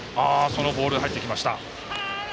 そのボール入ってきました。